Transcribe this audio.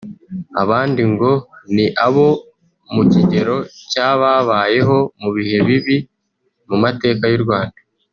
Abandi ngo ni abo mu kigero cy’ababayeho mu bihe bibi mu mateka y’u Rwanda